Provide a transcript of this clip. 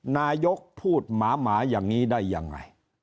นายกพูดหมาหมาอย่างนี้ได้ยังไง